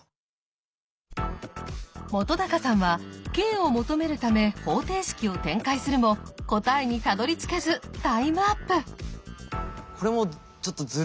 本さんはｋを求めるため方程式を展開するも答えにたどりつけずタイムアップ。